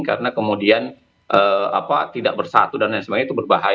karena kemudian tidak bersatu dan lain sebagainya itu berbahaya